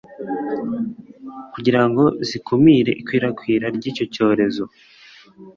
kugira ngo zikumire ikwirakwira ry'icyo cyorezo